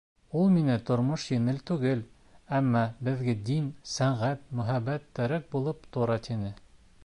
Ул миңә, тормош еңел түгел, әммә беҙгә дин, сәнғәт, мөхәббәт терәк булып тора, тине.